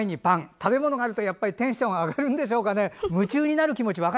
食べ物があるとやっぱりテンションが上がるんでしょうかね。